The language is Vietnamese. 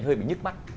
hơi bị nhức mắt